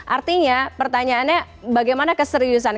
artinya pertanyaannya bagaimana keseriusan